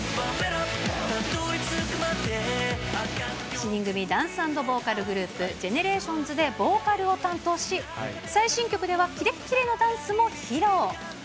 ７人組ダンス＆ボーカルグループ、ＧＥＮＥＲＡＴＩＯＮＳでボーカルを担当し、最新曲ではキレッキレのダンスも披露。